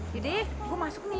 deh gue masuk nih